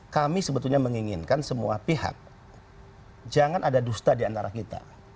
kami sebetulnya menginginkan semua pihak jangan ada dusta diantara kita